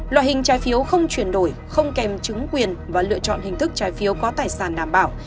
loại hình trái phiếu không chuyển đổi không kèm chứng quyền và lựa chọn hình thức trái phiếu có tài sản đảm bảo